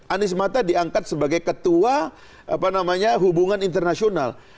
anies mata diangkat sebagai ketua hubungan internasional